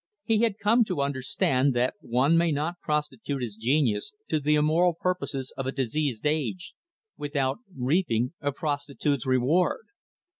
He had come to understand that one may not prostitute his genius to the immoral purposes of a diseased age, without reaping a prostitute's reward.